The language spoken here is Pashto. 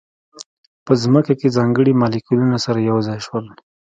په ځمکه کې ځانګړي مالیکولونه سره یو ځای شول.